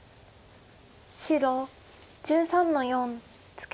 白１３の四ツケ。